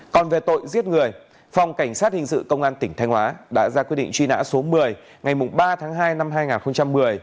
còn về tội giết người phòng cảnh sát hình sự công an tỉnh thanh hóa đã ra quyết định truy nã số một mươi ngày ba tháng hai năm hai nghìn một mươi